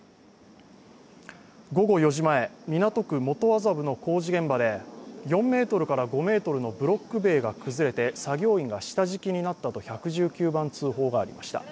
午後４時前、港区元麻布の工事現場で４ｍから５ｍのブロック塀が崩れて作業員が下敷きになったと１１９番通報がありました。